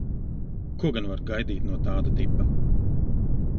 Ko gan var gaidīt no tāda tipa?